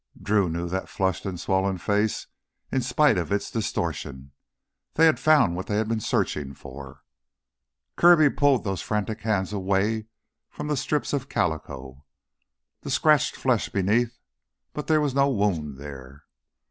Drew knew that flushed and swollen face in spite of its distortion; they had found what they had been searching for. Kirby pulled those frantic hands away from the strips of calico, the scratched flesh beneath, but there was no wound there.